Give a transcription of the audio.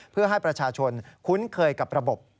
เพื่อให้ประชาชนคุ้นเคยกับระบบ